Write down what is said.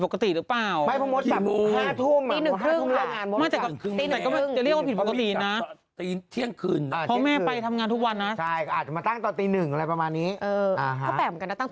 ก็แปลกเหมือนกันนะตั้งทางตีหนึ่ง